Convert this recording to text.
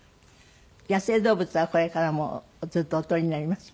野生動物はこれからもずっとお撮りになります？